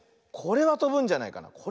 これはとぶんじゃないかな。